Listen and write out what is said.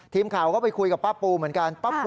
ทีมข่าวก็ไปคุยกับป้าปูเหมือนกัน